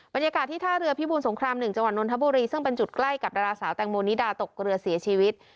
บรรยากาศที่ท่าเรือพิบูรสงคราม๑จังหวัดนทบุรีซึ่งเป็นจุดใกล้กับดาราสาวแตงโมนิดาตกเรือเสียชีวิต